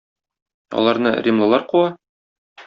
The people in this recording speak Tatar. Аларны римлылар куа?